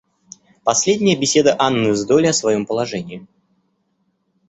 Последняя беседа Анны с Долли о своем положении.